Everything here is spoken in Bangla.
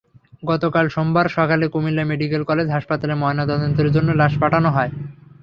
গতকাল সোমবার সকালে কুমিল্লা মেডিকেল কলেজ হাসপাতালে ময়নাতদন্তের জন্য লাশ পাঠানো হয়।